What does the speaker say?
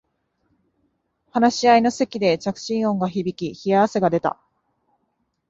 話し合いの席で着信音が響き冷や汗が出た